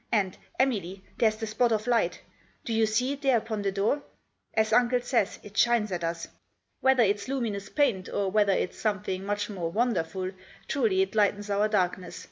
And — Emily, there's the spot of light ! Do you see it there upon the door ? As uncle says, it shines at us. Whether it's luminous paint, or whether it's something much more wonderful, truly, it lightens our darkness.